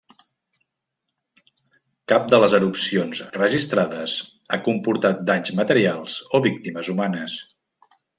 Cap de les erupcions registrades ha comportat danys materials o víctimes humanes.